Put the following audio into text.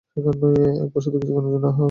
একবার শুধু কিছুক্ষণের জন্যে আহ উহ শব্দ।